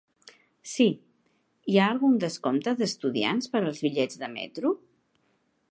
Sí, hi ha algun descompte d'estudiants per als bitllets de metro?